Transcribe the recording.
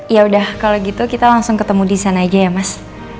yaudah kalo gitu kita langsung ketemu disana aja ya mas